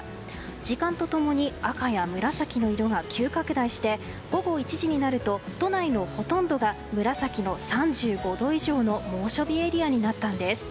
時間と共に赤や紫の色が急拡大して午後１時になると都内のほとんどが紫の３５度以上の猛暑日エリアになったんです。